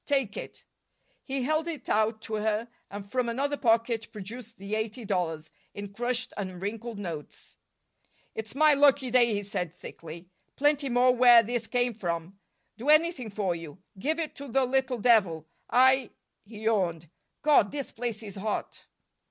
Take it." He held it out to her, and from another pocket produced the eighty dollars, in crushed and wrinkled notes. "It's my lucky day," he said thickly. "Plenty more where this came from. Do anything for you. Give it to the little devil. I " He yawned. "God, this place is hot!"